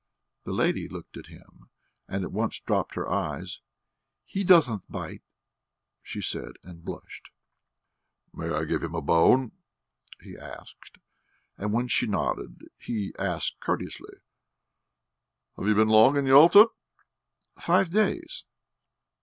The lady looked at him and at once dropped her eyes. "He doesn't bite," she said, and blushed. "May I give him a bone?" he asked; and when she nodded he asked courteously, "Have you been long in Yalta?" "Five days."